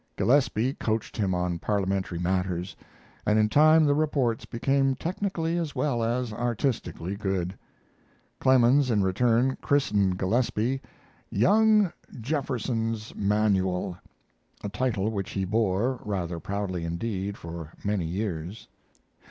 Gillespie coached him on parliamentary matters, and in time the reports became technically as well as artistically good. Clemens in return christened Gillespie "Young, Jefferson's Manual," a title which he bore, rather proudly indeed, for many years.